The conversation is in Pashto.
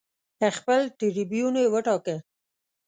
خپل ټربیون یې وټاکه